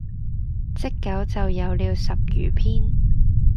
積久就有了十餘篇。